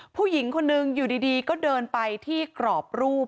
ผู้หญิงคนนึงอยู่ดีก็เดินไปที่กรอบรูป